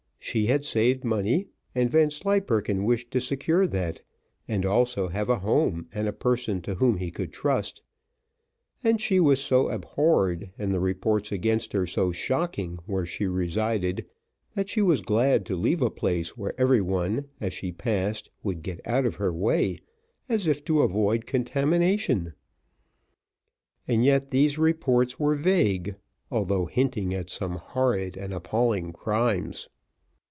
She had saved money, and Vanslyperken wished to secure that, and also have a home and a person to whom he could trust; and she was so abhorred, and the reports against her so shocking where she resided, that she was glad to leave a place where every one, as she passed, would get out of her way, as if to avoid contamination. Yet these reports were vague, although hinting at some horrid and appalling crimes.